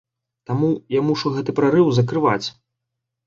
Таму я мушу гэты прарыў закрываць.